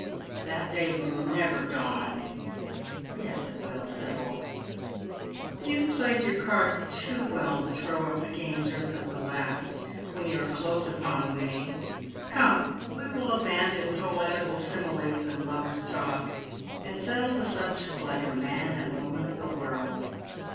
" That day will never dawn." " Yes, it will, Sibyl. You have played your cards too well to throw up the game just at the last, when you are close upon winning. Come, we will abandon poetical similes and lovers' talk, and settle the subject like a man and woman of the world.